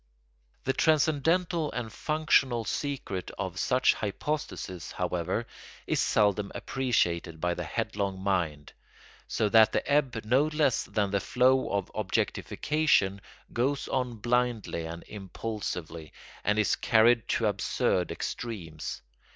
The transcendental and functional secret of such hypostases, however, is seldom appreciated by the headlong mind; so that the ebb no less than the flow of objectification goes on blindly and impulsively, and is carried to absurd extremes.